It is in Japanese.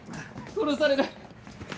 殺される！